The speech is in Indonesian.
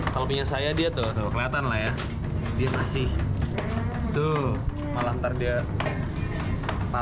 kalau punya saya dia tuh kelihatan lah ya dia masih tuh malah nanti dia patah